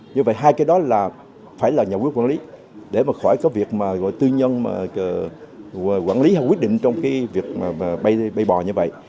như vậy hai cái đó là phải là nhà quyết quản lý để mà khỏi có việc mà tư nhân quản lý hay quyết định trong cái việc bay bò như vậy